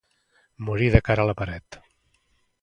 Morir de cara a la paret.